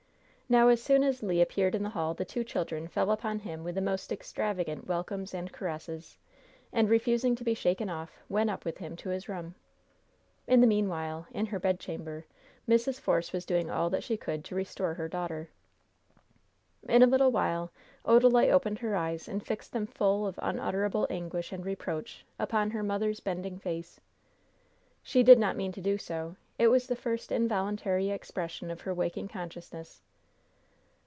Now as soon as Le appeared in the hall the two children fell upon him with the most extravagant welcomes and caresses, and, refusing to be shaken off, went up with him to his room. In the meanwhile, in her bedchamber, Mrs. Force was doing all that she could to restore her daughter. In a little while Odalite opened her eyes and fixed them full of unutterable anguish and reproach upon her mother's bending face. She did not mean to do so. It was the first involuntary expression of her waking consciousness.